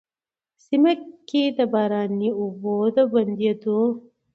سيمه کي د باراني اوبو د بندېدو،